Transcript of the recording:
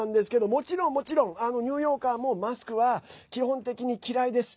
もちろん、もちろんニューヨーカーもマスクは基本的に嫌いです。